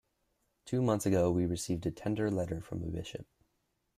Two months ago we received a tender letter from a bishop.